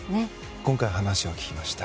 今回、話を聞きました。